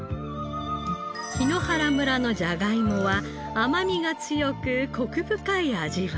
檜原村のじゃがいもは甘みが強くコク深い味わい。